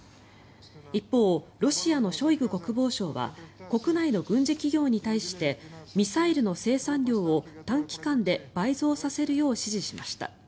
一方、ロシアのショイグ国防相は国内の軍事企業に対してミサイルの生産量を短期間で倍増させるよう指示しました。